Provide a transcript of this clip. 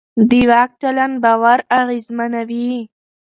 د واک چلند باور اغېزمنوي